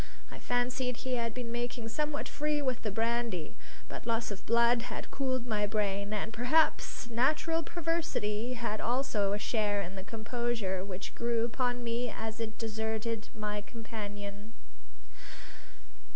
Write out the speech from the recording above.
I fancied he had been making somewhat free with the brandy. But loss of blood had cooled my brain; and, perhaps, natural perversity had also a share in the composure which grew upon me as it deserted my companion.